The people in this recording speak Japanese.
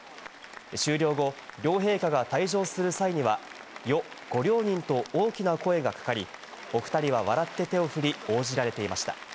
終了後、両陛下が退場する際には「よっ！ご両人」と大きな声がかかり、おふたりは笑って手をふり、応じられていました。